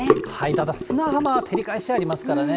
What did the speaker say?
ただ、砂浜は照り返しありますからね。